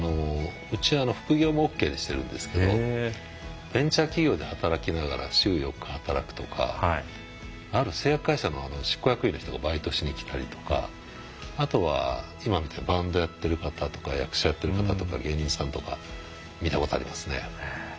うちは副業もオーケーにしているんですけどベンチャー企業で働きながら週４日働くとかある製薬会社の人がバイトしに来たりとかあとは今みたいにバンドやっている方とか役者やってる方とか芸人さんとか見たことありますね。